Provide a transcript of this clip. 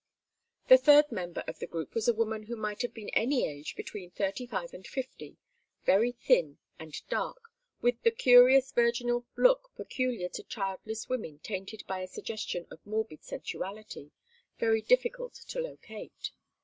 The third member of the group was a woman who might have been any age between thirty five and fifty, very thin and dark, with the curiously virginal look peculiar to childless women tainted by a suggestion of morbid sensuality, very difficult to locate.